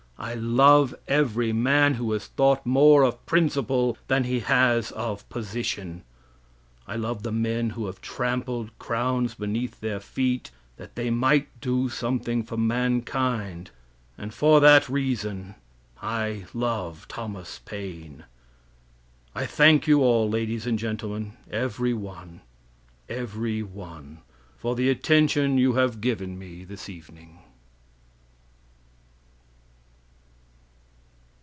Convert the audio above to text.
I love every man who has thought more of principle than he has of position. I love the men who have trampled crowns beneath their feet that they might do something for mankind, and for that reason I love Thomas Paine. I thank you all, ladies and gentlemen, every one every one, for the attention you have given me this evening.